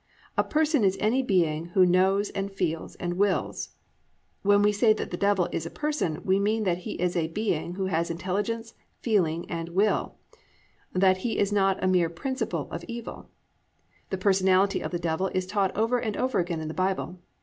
A person is any being who knows and feels and wills. When we say that the Devil is a person we mean that he is a being who has intelligence, feeling and will, that he is not a mere principle of evil. The personality of the Devil is taught over and over again in the Bible.